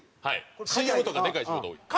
ＣＭとかでかい仕事が多い。